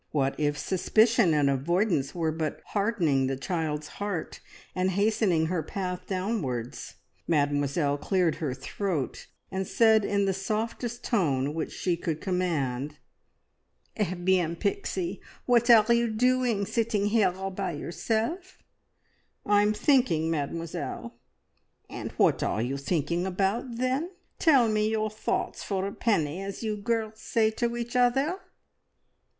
What if suspicion and avoidance were but hardening the child's heart and hastening her path downwards? Mademoiselle cleared her throat and said in the softest tone which she could command "Eh bien, Pixie! What are you doing sitting here all by yourself?" "I'm thinking, Mademoiselle." "And what are you thinking about then? Tell me your thoughts for a penny, as you girls say to each other!"